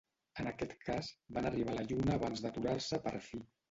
En aquest cas, van arribar a la Lluna abans d'aturar-se per fi.